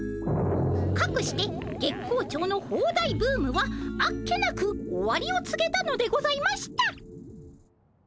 かくして月光町のホーダイブームはあっけなく終わりをつげたのでございました。